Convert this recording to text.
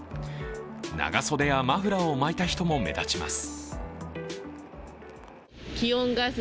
長袖やマフラーを巻いた人も目立ちます。